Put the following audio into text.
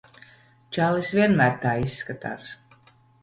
Čalis vienmēr tā izskatās.